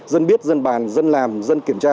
dân biết dân bàn dân làm dân kiểm tra